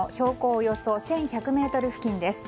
およそ１１００ｍ付近です。